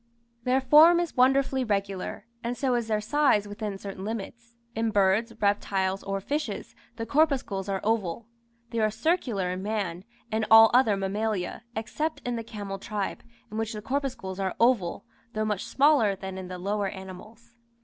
Their form is wonderfully regular, and so is their size within certain limits; in birds, reptiles, or fishes, the corpuscles are oval. They are circular in man, and all other mammalia, except in the camel tribe, in which the corpuscles are oval, though much smaller than in the lower animals.